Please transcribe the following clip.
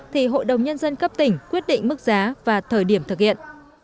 thì hội đồng nhân dân cấp tỉnh quyết định mức giá và thời điểm thực hiện